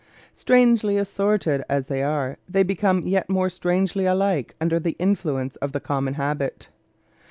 Strangely assorted as they are, they become yet more strangely alike under the influence of the common habit.